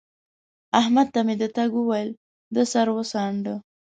احمد ته مې د تګ وويل؛ ده سر وڅانډه